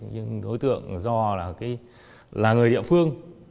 nhưng đối tượng do là người địa phương